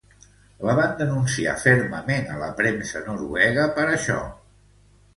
La van denunciar fermament a la premsa noruega per això.